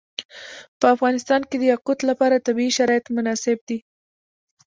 په افغانستان کې د یاقوت لپاره طبیعي شرایط مناسب دي.